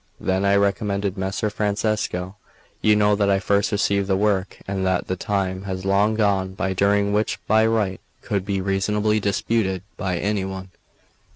Then I recommenced: "Messer Francesco, you know that I first received the work, and that the time has long gone by during which my right could be reasonably disputed by any one.